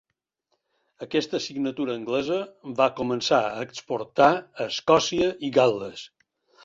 Aquesta signatura anglesa va començar a exportar a Escòcia i Gal·les.